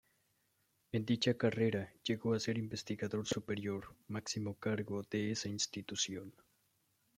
En dicha carrera llegó a ser Investigador Superior, máximo cargo de esa institución.